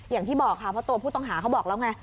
อย่างที่บอกค่ะเพราะตัวผู้ต้องหาเขาบอกแล้วไง